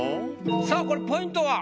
さあこれポイントは？